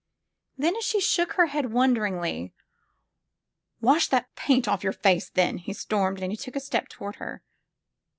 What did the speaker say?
Then, as she shook her head wonderingly : "Wash that paint off your face, then!" he stormed, and took a step toward her.